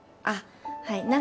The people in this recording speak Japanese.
あっはい。